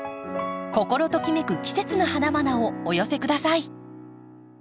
心ときめく季節の花々をお寄せください。